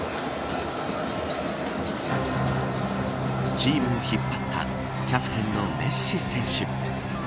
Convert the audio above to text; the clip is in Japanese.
チームを引っ張ったキャプテンのメッシ選手。